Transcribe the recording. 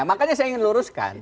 makanya saya ingin luruskan